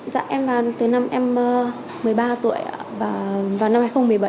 dạ em vào tới năm em một mươi ba tuổi vào năm hai nghìn một mươi bảy